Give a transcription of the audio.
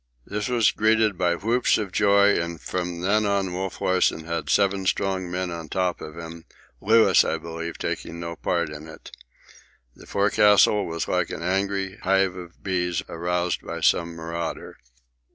This was greeted with whoops of joy, and from then on Wolf Larsen had seven strong men on top of him, Louis, I believe, taking no part in it. The forecastle was like an angry hive of bees aroused by some marauder.